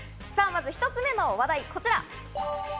まず１つ目のお題はこちら。